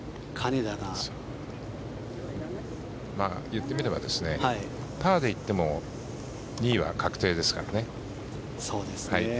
行ってみればパーで行っても２位は確定ですからね。